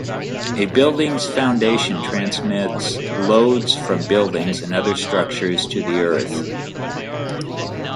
A building's foundation transmits loads from buildings and other structures to the earth.